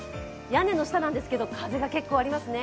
屋根の下なんですけれども風が結構ありますね。